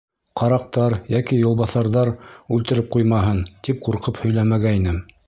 Ҡараҡтар йәки юлбаҫарҙар үлтереп ҡуймаһын, тип ҡурҡып һөйләмәгәйнем.